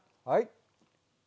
はい。